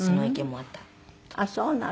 あっそうなの。